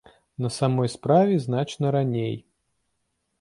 На самой справе значна раней.